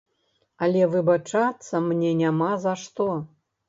Але выбачацца мне няма за што.